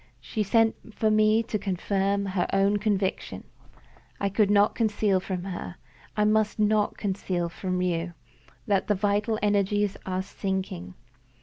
"She sent for me to confirm her own conviction. I could not conceal from her I must not conceal from you that the vital energies are sinking.